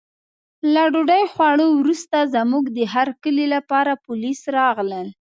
له ډوډۍ خوړو وروسته زموږ د هرکلي لپاره پولیس راغلل.